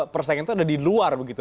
persaingan itu ada di luar begitu